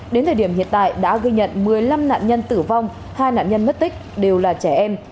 đến thời điểm hiện tại đã ghi nhận một mươi năm nạn nhân tử vong hai nạn nhân mất tích đều là trẻ em